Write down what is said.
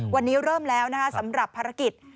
วันนี้เริ่มแล้วนะคะสำหรับภารกิจ